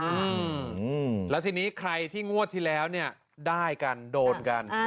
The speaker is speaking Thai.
อืมแล้วทีนี้ใครที่งวดที่แล้วเนี่ยได้กันโดนกัน